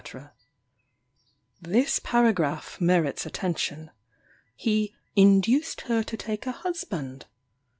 This paragraph merits attention. He "induced her to take a husband?"